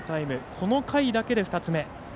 この回だけで２つ目。